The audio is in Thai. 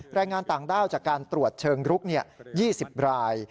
แรงงานต่างด้าวจากการตรวจเชิงรุก๒๐ราย